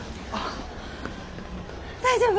大丈夫？